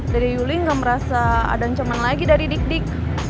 dari yuli nggak merasa ada ancaman lagi dari dik dik